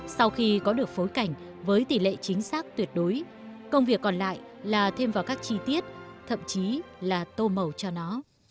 sau khi có được phối cảnh với tỷ lệ chính xác tuyệt đối công việc còn lại là thêm vào các chi tiết thậm chí là tô màu cho nó